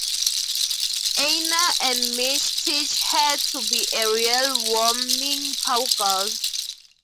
Einar and Mitch teach her to be a real Wyoming cowgirl.